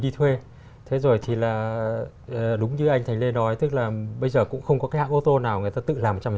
tức là bây giờ cũng không có cái hãng ô tô nào người ta tự làm một trăm linh